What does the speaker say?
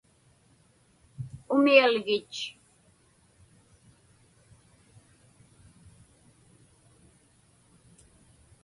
umialgit